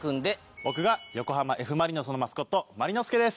僕が横浜Ｆ・マリノスのマスコットマリノスケです。